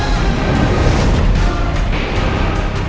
saya akan menjaga kebenaran raden